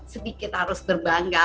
sedikit harus berbangga